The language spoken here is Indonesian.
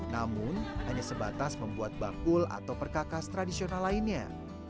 namun hanya sebatas membuat bangkul atau perkakas tradisional lainnya